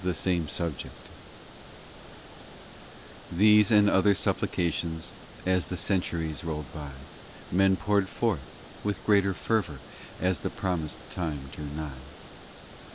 THE SAME SUBJECT THESE and other supplications, As the centuries rolled by, Men poured forth : with greater fervour As the promised time drew nigh.